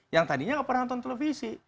yang tadinya nggak pernah nonton televisi